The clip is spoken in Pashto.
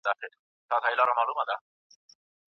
دا د افغانانو لپاره د منلو نه وه.